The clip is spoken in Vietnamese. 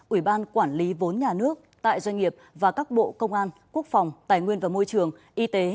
ủy ban quản lý vốn nhà nước tại doanh nghiệp và các bộ công an quốc phòng tài nguyên và môi trường y tế